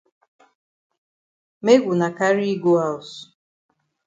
Make wuna carry yi go haus.